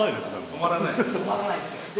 止まらないですね。